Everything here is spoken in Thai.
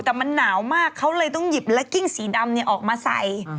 แต่มันหนาวมากเขาเลยต้องหยิบและกิ้งสีดำออกมาใส่